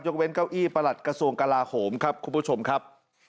ยกเว้นเก้าอี้ประหลัดกระทรวงกราโหมครับ